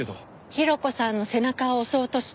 ヒロコさんの背中を押そうとして。